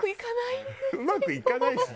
うまくいかないし。